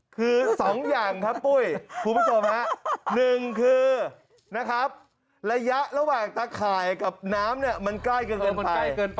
คือสองอย่างครับปุ้ยคุณประสบครับหนึ่งคือนะครับระยะระหว่างตะข่ายกับน้ำเนี่ยมันใกล้เกินไป